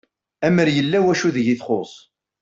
Amer yella wacu deg i txuss